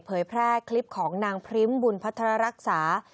แพร่คลิปของนางพริมบุญพัทรรักษา